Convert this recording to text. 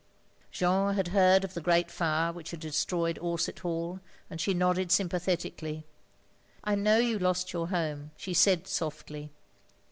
Jeanne had heard of the great fire which had destroyed Orsett Hall, and she nodded S3mi pathetically. "I know you lost your home," she said softly.